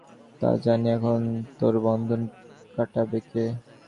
তা জানি– এখন তোর বন্ধন কাটাবে কে?